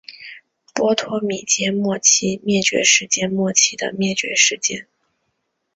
波托米阶末期灭绝事件末期的灭绝事件。